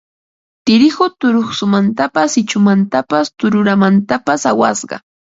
Tirihu turuqsumantapas ichumantapas tuturamantapas awasqa